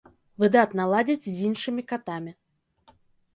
Выдатна ладзяць з іншымі катамі.